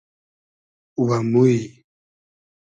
و موی